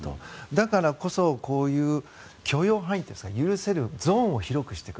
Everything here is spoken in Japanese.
だからこそ、こういう許容範囲っていうんですか許せるゾーンを広くしていく。